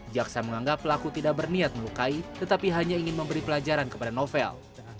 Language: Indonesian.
jaksa menganggap pelaku tidak berniat melukai tetapi hanya ingin memberi pelajaran kepada novel